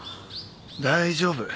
大丈夫。